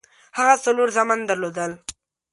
هغه څلور زامن درلودل.